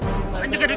enggak enggak enggak